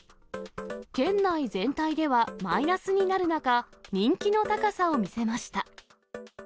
県内全体ではマイナスになる中、人気の高さを見せました。